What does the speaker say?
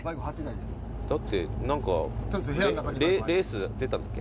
だって何かレース出たっけ？